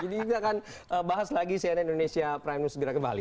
jadi kita akan bahas lagi cnn indonesia prime news segera kembali